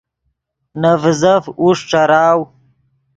نے ڤیزف اوݰ ݯراؤ